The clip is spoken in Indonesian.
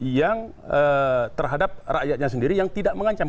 yang terhadap rakyatnya sendiri yang tidak mengancam